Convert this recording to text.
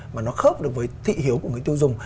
mà nó khớp được với thị hiếu của người tiêu dùng